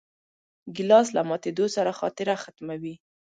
ګیلاس له ماتېدو سره خاطره ختموي.